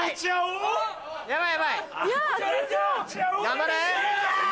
頑張れ！